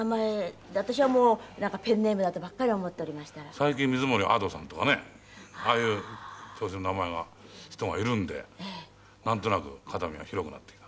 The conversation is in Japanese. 最近水森亜土さんとかねああいう寵児の名前の人がいるのでなんとなく肩身が広くなってきた。